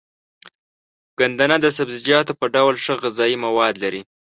ګندنه د سبزيجاتو په ډول ښه غذايي مواد لري.